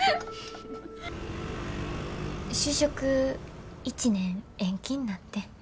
就職１年延期になってん。